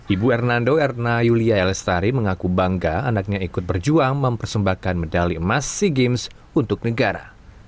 ibu hernando erna yulia elestari mengaku bangga anaknya ikut berjuang mempersembahkan medali emas sea games untuk negara